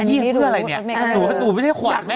พี่เพื่ออะไรเนี่ยหนูไม่ใช่ขวัญแม่